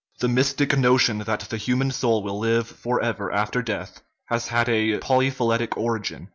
The mystic notion that the human soul will live for ever after death has had a polyphyletic origin.